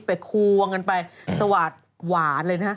ไปโฆวงันไปสวาดหวานเลยนะ